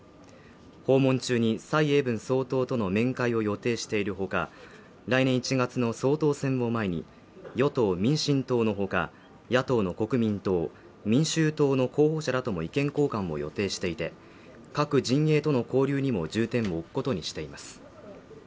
訪問中に蔡英文総統との面会を予定しているほか来年１月の総統選を前に与党民進党のほか野党の国民党民衆党の候補者らとも意見交換も予定していて各陣営との交流にも重点を置くことにしています